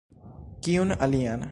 Kiun alian?